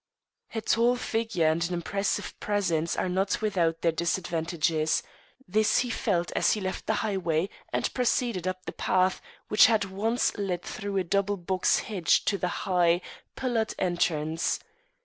A tall figure and an impressive presence are not without their disadvantages. This he felt as he left the highway and proceeded up the path which had once led through a double box hedge to the high, pillared entrance.